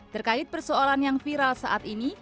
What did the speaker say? terkait persoalan yang viral saat ini